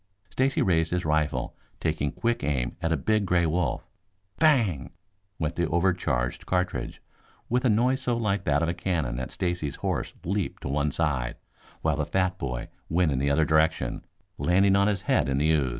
Stacy raised his rifle, taking quick aim at a big gray wolf. Bang! went the overcharged cartridge, with a noise so like that of a cannon that Stacy's horse leaped to one side, while the fat boy went in the other direction, landing on his head in the ooze.